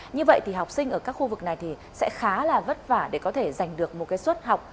như vậy thì học sinh ở các khu vực này thì sẽ khá là vất vả để có thể giành được một cái suất học